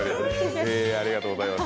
ありがとうございます。